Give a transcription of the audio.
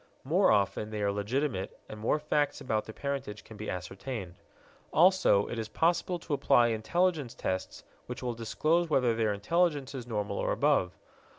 More often they are legitimate and more facts about their parentage can be ascertained; also, it is possible to apply intelligence tests which will disclose whether their intelligence is normal or above.